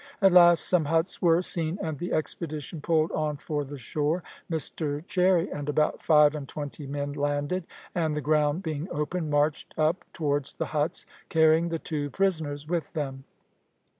At last some huts were seen, and the expedition pulled on for the shore. Mr Cherry and about five and twenty men landed, and, the ground being open, marched up towards the huts, carrying the two prisoners with them.